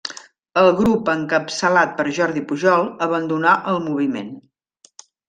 El grup encapçalat per Jordi Pujol abandonà el moviment.